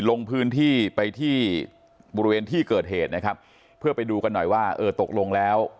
ลงพื้นที่ไปที่บริเวณที่เกิดเหตุนะครับเพื่อไปดูกันหน่อยว่าเออตกลงแล้ว